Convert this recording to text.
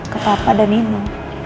ke papa dan nino